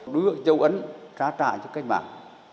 đưa dấu ấn ra trại cho cách mạng